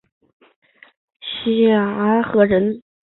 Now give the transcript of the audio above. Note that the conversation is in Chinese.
萧何人。